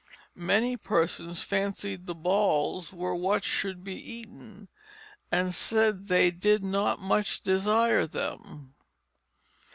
Many persons fancied the balls were what should be eaten, and said they "did not much desire them."